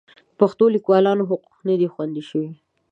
د پښتو لیکوالانو حقوق نه دي خوندي شوي.